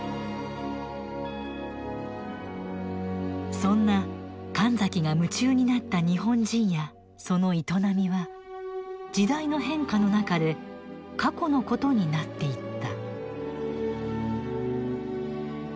そんな神崎が夢中になった日本人やその営みは時代の変化の中で過去のことになっていった。